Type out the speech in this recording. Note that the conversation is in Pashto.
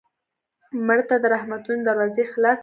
مړه ته د رحمتونو دروازې خلاصې غواړو